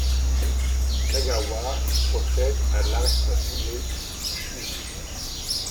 Kagawa procède à l'arrestation de Shuji.